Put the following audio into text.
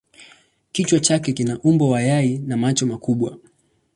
Kichwa chake kina umbo wa yai na macho makubwa.